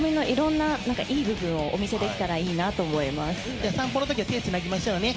じゃあ散歩の時は手繋ぎましょうね。